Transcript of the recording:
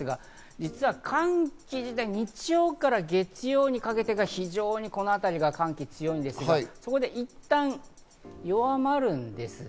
実は寒気自体は日曜から月曜にかけてが非常に、この辺り強いんですが、ここでいったん弱まるんですね。